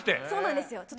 そうなんですよ。